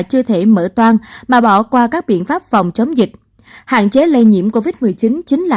chưa thể mở toan mà bỏ qua các biện pháp phòng chống dịch hạn chế lây nhiễm covid một mươi chín chính là